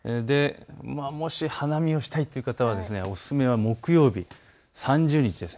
もし花見をしたいっていう方はおすすめは木曜日、３０日です。